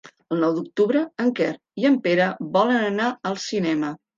El nou d'octubre en Quer i en Pere volen anar al cinema.